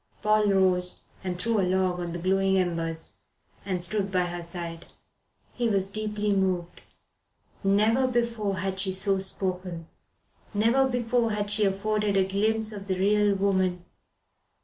Paul rose and threw a log on the glowing embers, and stood by her side. He was deeply moved. Never before had she so spoken. Never before had she afforded a glimpse of the real woman.